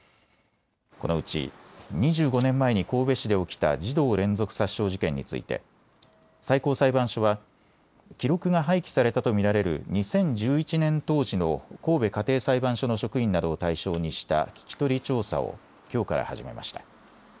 このうち２５年前に神戸市で起きた児童連続殺傷事件について最高裁判所は記録が廃棄されたと見られる２０１１年当時の神戸家庭裁判所の職員などを対象にした聞き取り調査をきょうから始めました。